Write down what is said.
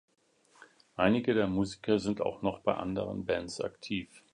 Einige der Musiker sind auch noch bei anderen Bands aktiv.